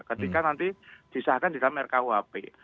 ketika nanti disahkan di dalam rkuhp